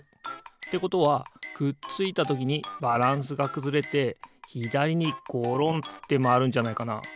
ということはくっついたときにバランスがくずれてひだりにごろんってまわるんじゃないかな？